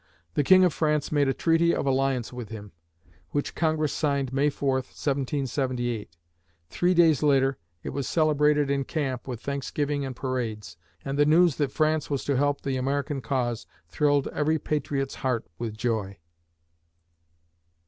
The King of France made a treaty of alliance with him, which Congress signed May 4th, 1778. Three days later, it was celebrated in camp with thanksgiving and parades, and the news that France was to help the American cause thrilled every patriot's heart with joy.